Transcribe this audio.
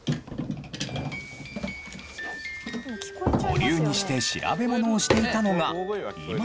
保留にして調べ物をしていたのが今では。